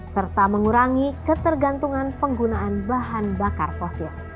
serta mengurangi ketergantungan penggunaan bahan bakar fosil